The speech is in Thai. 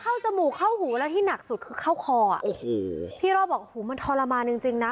เข้าจมูกเข้าหูแล้วที่หนักสุดคือเข้าคอพี่รอบอกว่ามันทรมานจริงนะ